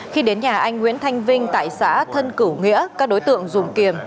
khi đến nhà anh nguyễn thanh vinh tại xã thân cửu nghĩa các đối tượng dùng kiềm